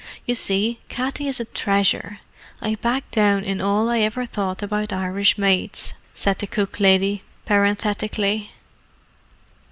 You see, Katty is a treasure. I back down in all I ever thought about Irish maids," said the cook lady, parenthetically.